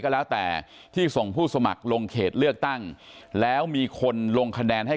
ก็แล้วแต่ที่ส่งผู้สมัครลงเขตเลือกตั้งแล้วมีคนลงคะแนนให้